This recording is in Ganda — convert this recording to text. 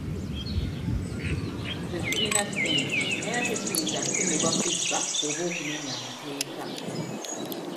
Nze sirina ssente naye ate siyinza kukemebwa kubba oba okumenya amateeka.